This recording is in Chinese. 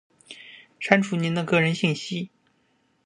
删除您的个人信息；